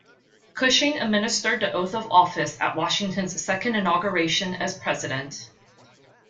Cushing administered the oath of office at Washington's second inauguration as president.